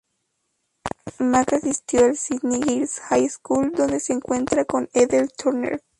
Mack asistió al Sydney Girls High School donde se encuentra con Ethel Turner.